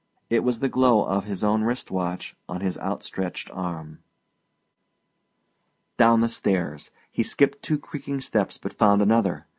it was the glow of his own wrist watch on his outstretched arm. Down the stairs. He skipped two crumbing steps but found another.